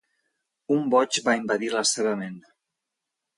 Un boig va invadir la seva ment.